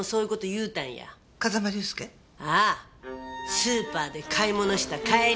スーパーで買い物した帰り。